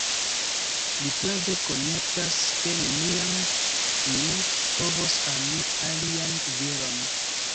Li prave konjektas, ke neniam mi povos ami alian viron.